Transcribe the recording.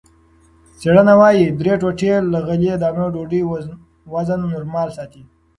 څېړنې وايي، درې ټوټې له غلې- دانو ډوډۍ وزن نورمال ساتي.